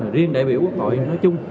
và riêng đại biểu quốc hội nói chung